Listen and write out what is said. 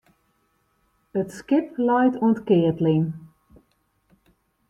It skip leit oan 't keatling.